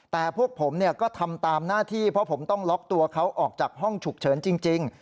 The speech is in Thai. แต่พวกผมก็ทำตามหน้าที่เพราะผมต้องล็อกตัวเขาออกจากห้องฉุกเฉินจริง